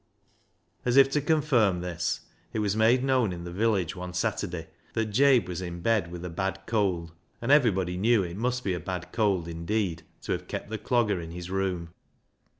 As if to confirm this, it was made known in the village one Saturday that Jabe was in bed with a bad cold. And everybody knew it must be a bad cold indeed to have kept the Clogger in his room.